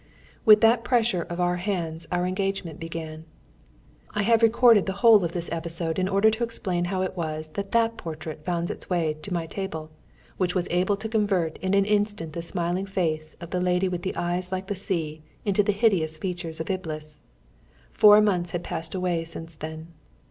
With that pressure of our hands our engagement began. I have recorded the whole of this episode in order to explain how it was that that portrait found its way to my table, which was able to convert in an instant the smiling face of the lady with the eyes like the sea into the hideous features of Iblis. Four months had passed away since then.